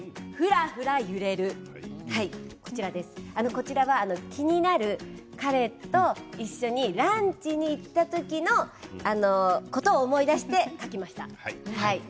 こちらは気になる彼と一緒にランチに行った時のことを思い出して書きました。